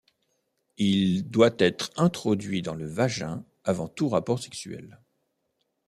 Il doit être introduit dans le vagin avant tout rapport sexuel.